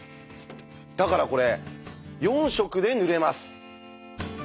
だからこれ４色で塗れます。